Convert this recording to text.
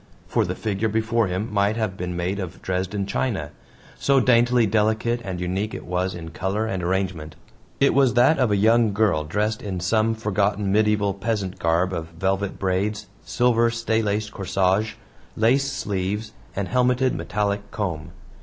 For the figure before him might have been made of Dresden china so daintily delicate and unique it was in color and arrangement. It was that of a young girl dressed in some forgotten medieval peasant garb of velvet braids, silver staylaced corsage, lace sleeves, and helmeted metallic comb.